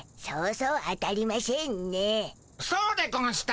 そうでゴンした。